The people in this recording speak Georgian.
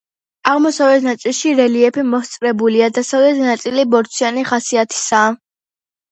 აღმოსავლეთ ნაწილში რელიეფი მოსწორებულია, დასავლეთი ნაწილი ბორცვიანი ხასიათისაა.